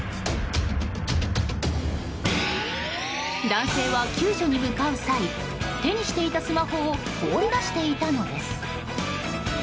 男性は救助に向かう際手にしていたスマホを放り出していたのです。